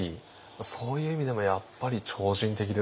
そういう意味でもやっぱり超人的ですよね。